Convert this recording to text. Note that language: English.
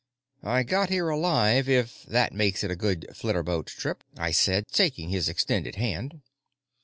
"I got here alive, if that makes it a good flitterboat trip," I said, shaking his extended hand.